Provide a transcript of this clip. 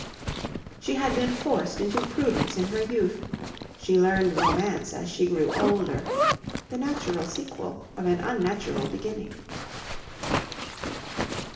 She had been forced into prudence in her youth, she learned romance as she grew older: the natural sequel of an unnatural beginning.